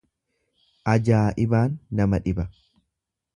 Ajaa'ibaan nama dhiba.